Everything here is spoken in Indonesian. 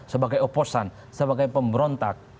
sebagai oposan sebagai pemberontak